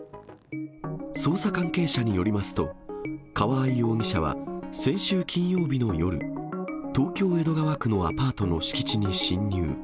捜査関係者によりますと、川合容疑者は先週金曜日の夜、東京・江戸川区のアパートの敷地に侵入。